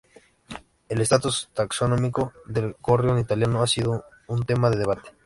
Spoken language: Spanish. El estatus taxonómico del gorrión italiano ha sido un tema de debate.